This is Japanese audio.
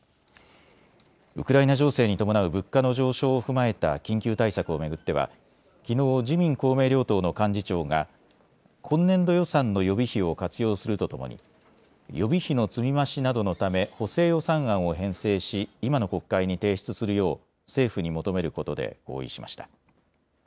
ウクライナ情勢に伴う物価の上昇を踏まえた緊急対策を巡ってはきのう自民公明両党の幹事長が今年度予算の予備費を活用するとともに予備費の積み増しなどのため補正予算案を編成し今の国会に提出するよう政府に求めることで合意しました。